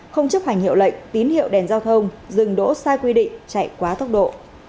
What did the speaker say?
không chấp hành hiệu lệnh tín hiệu đèn giao thông dừng đỗ sai quy định chạy quá tốc độ